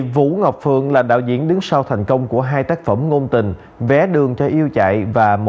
vũ ngọc phượng là đạo diễn đứng sau thành công của hai tác phẩm ngôn tình vé đường theo yêu chạy và một